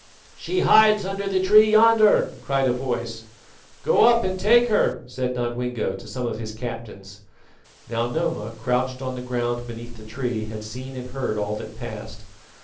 "She hides under the tree yonder!" cried a voice. "Go up and take her," said Nodwengo to some of his captains. Now Noma, crouched on the ground beneath the tree, had seen and heard all that passed.